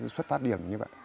xuất phát điểm như vậy